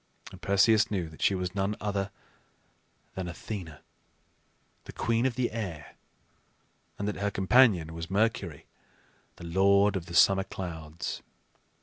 And Perseus knew that she was none other than Athena, the queen of the air, and that her companion was Mercury, the lord of the summer clouds.